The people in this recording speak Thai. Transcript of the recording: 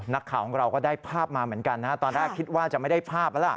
นักข่าวของเราก็ได้ภาพมาเหมือนกันนะตอนแรกคิดว่าจะไม่ได้ภาพแล้วล่ะ